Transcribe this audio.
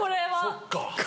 そっか。